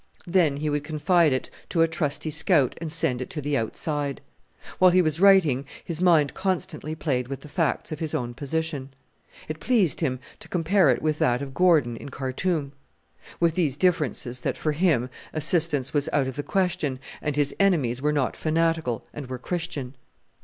Then he would confide it to a trusty scout and send to the "outside." While he was writing his mind constantly played with the facts of his own position. It pleased him to compare it with that of Gordon in Khartoum; with these differences, that, for him, assistance was out of the question, and his enemies were not fanatical and were Christian.